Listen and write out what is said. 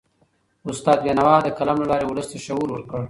استاد بینوا د قلم له لاري ولس ته شعور ورکړ.